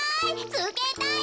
つけたい！